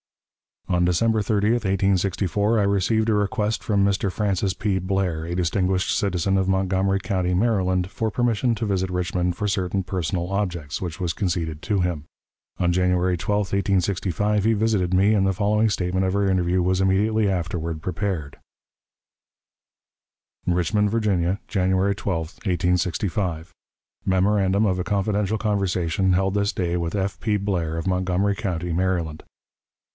On December 30, 1864, I received a request from Mr. Francis P. Blair, a distinguished citizen of Montgomery County, Maryland, for permission to visit Richmond for certain personal objects, which was conceded to him. On January 12, 1865, he visited me, and the following statement of our interview was immediately afterward prepared: "RICHMOND, VIRGINIA, January 12, 1865. "_Memorandum of a confidential conversation held this day with F. P. BLAIR, of Montgomery County, Maryland.